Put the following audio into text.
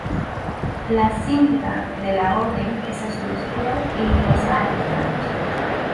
La "cinta" de la orden es azul oscuro y rosa a los lados.